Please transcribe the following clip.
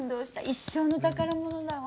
一生の宝物だわ。